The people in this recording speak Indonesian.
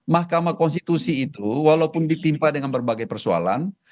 mahkamah konstitusi itu walaupun ditimpa dengan berbagai persoalan